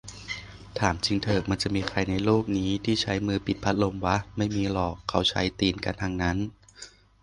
ถามจริงเถอะมันจะมีใครในโลกนี้ที่ใช้มือปิดพัดลมวะ ไม่มีหรอก เค้าก็ใช้ตีนกันทั้งนั้น